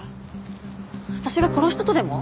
私が殺したとでも？